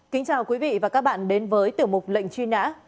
kính chào quý vị và các bạn đến với tiểu mục lệnh truy nã